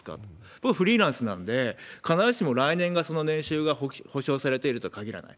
僕、フリーランスなんで、必ずしも来年がその年収が保証されているとは限らない。